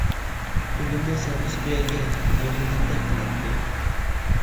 بۈگۈن بولسا ھەممىسى بۇ يەرگە يىغىلغاندەك قىلاتتى.